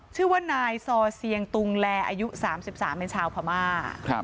ชื่อว่านายซอเซียงตุงแลอายุ๓๓เป็นชาวพม่า